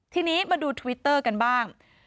ทีนี้มาดูทวิตเตอร์กันบ้าง